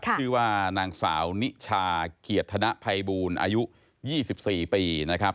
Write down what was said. ชื่อว่านางสาวนิชาเกียรติธนภัยบูลอายุ๒๔ปีนะครับ